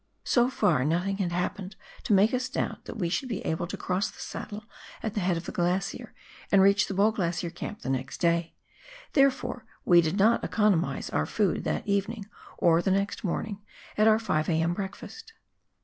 So far nothing had happened to make us doubt that we should be able to cross the saddle at the head of the glacier and reach the Ball Glacier camp the next day ; therefore, we did not economise our food tha:; evening or next morning at our 5 a.m. breakfast.